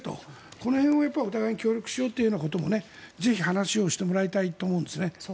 その辺をお互いに協力しようということもぜひ話をしてもらいたいと思います。